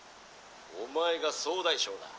お前が総大将だ」。